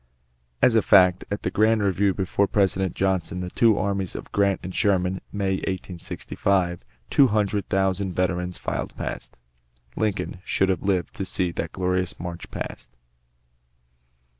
As a fact, at the grand review before the President (Johnson) the two armies of Grant and Sherman, May, 1865, two hundred thousand veterans filed past. Lincoln should have lived to see that glorious march past.